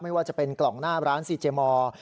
ไม่ว่าจะเป็นกล่องหน้าร้านซีเจมอร์